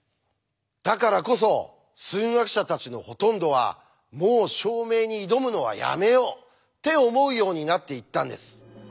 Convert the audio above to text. だからこそ数学者たちのほとんどはもう証明に挑むのはやめようって思うようになっていったんです。